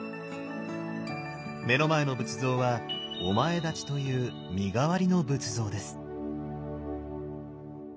目の前の仏像は「お前立ち」という身代わりの仏像です。